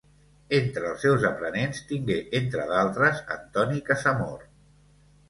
Entre els seus aprenents tingué entre d'altres Antoni Casamor.